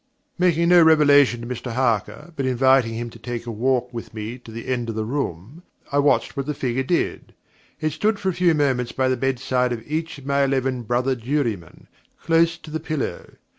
Making no revelation to Mr Harker, but inviting him to take a walk with me to the end of the room, I watched what the figure did. It stood for a few moments by the bedside of each of my eleven brother jurymen, close to the pillow.